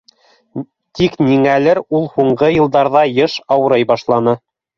Тик ниңәлер ул һуңғы йылдарҙа йыш ауырый башланы.